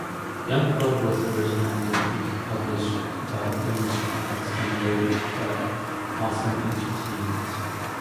Youngblood was originally published by Image Comics, and later by Awesome Entertainment.